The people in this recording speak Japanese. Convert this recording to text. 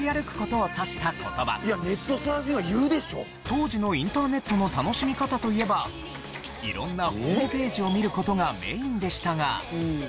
当時のインターネットの楽しみ方といえば色んなホームページを見る事がメインでしたが。